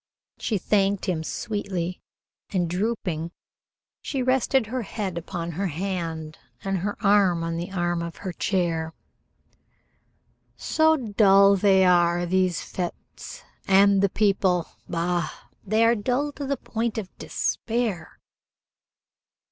She thanked him sweetly, and, drooping, she rested her head upon her hand and her arm on the arm of her chair. "So dull they are, these fêtes, and the people bah! They are dull to the point of despair."